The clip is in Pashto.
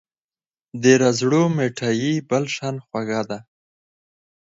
د رځړو مټايي بل شان خوږه وي